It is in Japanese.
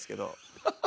ハハハ！